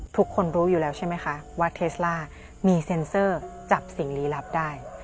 ทุกคนรู้อยู่แล้วใช่ไหมคะว่าเทสล่ามีเซ็นเซอร์จับสิ่งลี้ลับได้